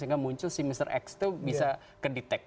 kemuncul si mister x tuh bisa kedetek